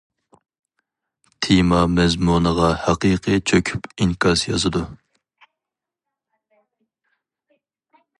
تېما مەزمۇنىغا ھەقىقىي چۆكۈپ ئىنكاس يازىدۇ.